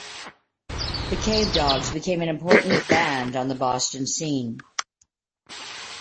The Cavedogs became an important band on the Boston scene.